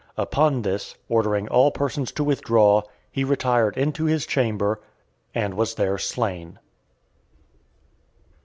Upon this, ordering all persons to withdraw, he retired into his chamber, and was there slain.